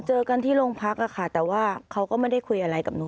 เจอกันที่โรงพักอะค่ะแต่ว่าเขาก็ไม่ได้คุยอะไรกับหนู